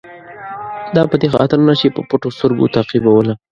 دا په دې خاطر نه چې په پټو سترګو تعقیبوله.